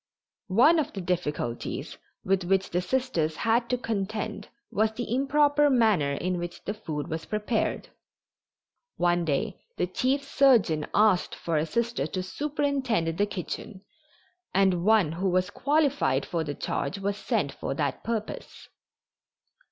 One of the difficulties with which the Sisters had to contend was the improper manner in which the food was prepared. One day the chief surgeon asked for a Sister to superintend the kitchen, and one who was qualified for the charge was sent for that purpose.